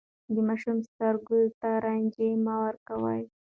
د ماشوم سترګو ته رنجې مه ورکوئ.